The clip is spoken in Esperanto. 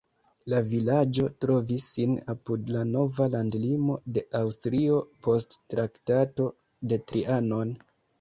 La vilaĝo trovis sin apud la nova landlimo de Aŭstrio post Traktato de Trianon.